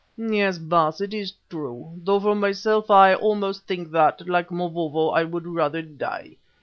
"Yes, Baas, it is true, Baas; though for myself I almost think that, like Mavovo, I would rather die.